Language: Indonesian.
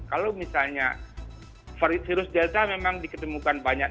kalau misalnya virus delta memang diketemukan banyak